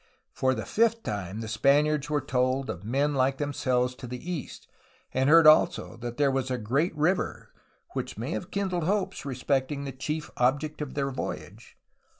For the fifth time the Spaniards were told of men like them selves to the east, and heard also that ^^ there was a great river, '^ which may have kindled hopes respecting the chief object of their voyage.